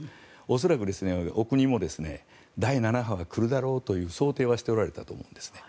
恐らく、お国も第７波来るだろうという想定はしておられたんだろうと思いますね。